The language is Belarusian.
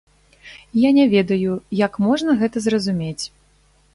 Я не ведаю, як можна гэта зразумець.